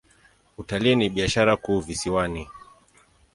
Utalii ni biashara kuu visiwani.